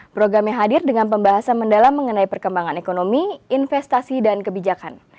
programnya hadir dengan pembahasan mendalam mengenai perkembangan ekonomi investasi dan kebijakan